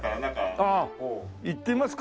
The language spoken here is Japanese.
ああ行ってみますか。